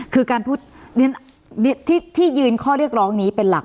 คือการพูดที่ยืนข้อเรียกร้องนี้เป็นหลัก